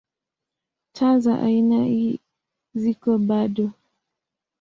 Taa za aina ii ziko bado.